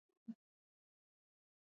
زما دا نجلی ډیره خوښه ده.